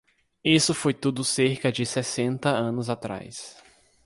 Isso foi tudo cerca de sessenta anos atrás.